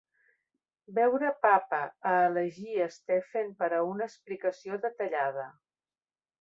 Veure Papa a elegir Stephen per a una explicació detallada.